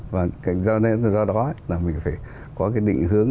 và do đó là mình phải có cái định hướng